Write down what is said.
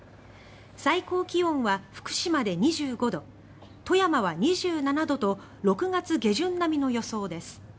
最高気温は福島で２５度富山は２７度と６月下旬並みの予想です。